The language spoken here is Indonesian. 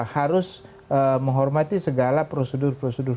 harus menghormati segala prosedur prosedur